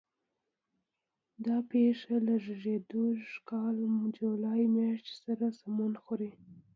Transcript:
دا پېښه له زېږدیز کال جولای میاشتې سره سمون خوري.